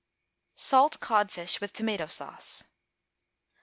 =Salt Codfish with Tomato Sauce.